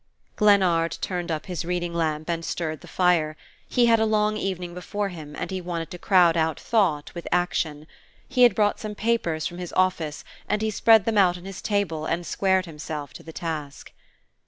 Glennard turned up his reading lamp and stirred the fire. He had a long evening before him and he wanted to crowd out thought with action. He had brought some papers from his office and he spread them out on his table and squared himself to the task....